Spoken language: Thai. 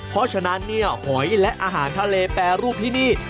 เพราะฉะนั้นเนี่ยหอยและอาหารทะเลแปรรูปที่นี่